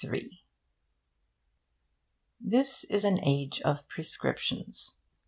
'273' This is an age of prescriptions.